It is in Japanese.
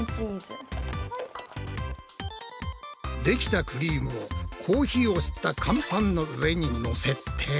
できたクリームをコーヒーを吸った乾パンの上にのせて。